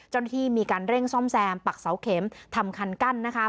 เจ้าหน้าที่มีการเร่งซ่อมแซมปักเสาเข็มทำคันกั้นนะคะ